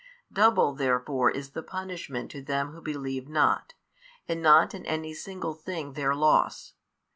Double therefore is the punishment to them who believe not, and not in any single thing their loss.